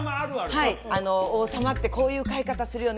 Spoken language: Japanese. はい王様ってこういう買い方するよね